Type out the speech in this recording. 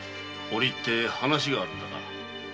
折り入って話があるんだが。